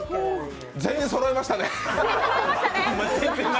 全員そろいましたね。